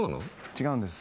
違うんです。